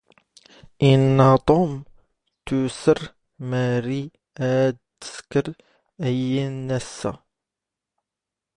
ⵉⵏⵏⴰ ⵟⵓⵎ ⵜⵓⵙⵔ ⵎⴰⵔⵉ ⴰⴷ ⵜⵙⴽⵔ ⴰⵢⵉⵏⵏ ⴰⵙⵙ ⴰ.